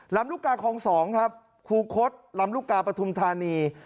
ลำรุกราของสองครับครูคสลำรุกราปฐุมธานี